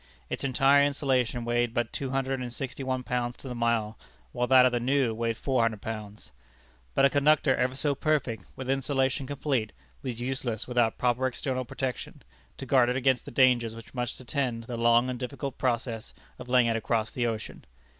Its entire insulation weighed but two hundred and sixty one pounds to the mile, while that of the new weighed four hundred pounds. But a conductor ever so perfect, with insulation complete, was useless without proper external protection, to guard it against the dangers which must attend the long and difficult process of laying it across the ocean.